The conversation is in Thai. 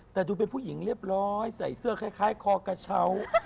แต่ดูเป็นผู้หญิงเรียบร้อยใส่เสื้อคล้ายคอกระเช้า